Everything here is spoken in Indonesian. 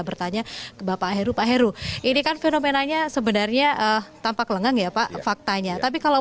bertanya ke bapak heru pak heru ini kan fenomenanya sebenarnya tampak lengang ya pak faktanya tapi kalau